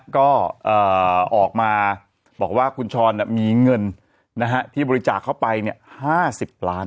ก็ออกมาบอกว่าคุณช้อนมีเงินที่บริจาคเข้าไป๕๐ล้าน